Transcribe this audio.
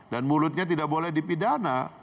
mulutnya tidak boleh dipidana